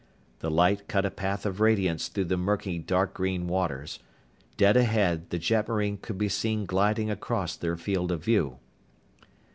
The light cut a path of radiance through the murky dark green waters. Dead ahead, the jetmarine could be seen gliding across their field of view.